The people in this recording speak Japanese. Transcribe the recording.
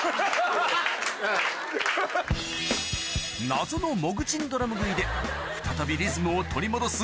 謎のもぐちんドラム食いで再びリズムを取り戻す